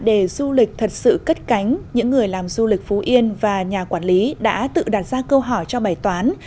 để du lịch thật sự cất cánh những người làm du lịch phú yên và nhà quản lý đã tự đặt ra câu hỏi cho bài toán